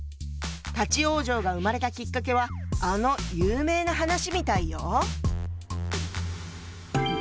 「立往生」が生まれたきっかけはあの有名な話みたいよ。